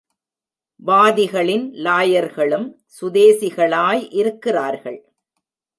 வாதிகளின் லாயர்களும் சுதேசிகளாய் இருக்கிறார்கள்.